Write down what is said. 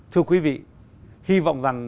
thưa quý vị hy vọng rằng